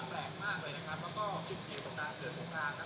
แปลกมากเลยนะครับแล้วก็จุดเสี่ยงกับการเกิดสงกรานนะครับ